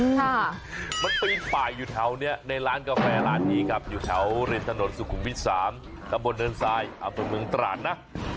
ตามกระบวนเดินซ้ายเอาตรงเมืองตราดนะ